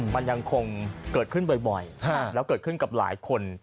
มันยังคงเกิดขึ้นบ่อยแล้วเกิดขึ้นกับหลายคน